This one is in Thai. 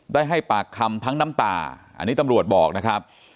ได้ให้ปากคำทั้งน้ำตาอันนี้ตำรวจบอกนะครับ